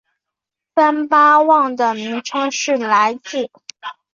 三巴旺的名称是来至。